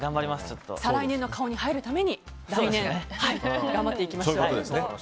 再来年の顔に入るために来年、頑張っていきましょう。